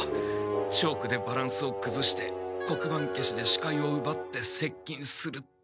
チョークでバランスをくずして黒板けしでしかいをうばってせっきんすると。